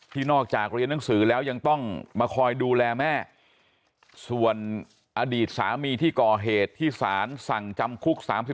นอกจากเรียนหนังสือแล้วยังต้องมาคอยดูแลแม่ส่วนอดีตสามีที่ก่อเหตุที่สารสั่งจำคุก๓๔